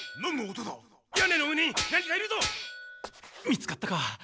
見つかったか。